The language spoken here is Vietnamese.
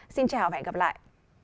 xin chào và hẹn gặp lại